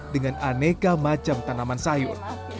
dengan aneka macam tanaman sayur